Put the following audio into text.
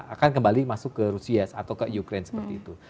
akan kembali masuk ke rusia atau ke ukraine seperti itu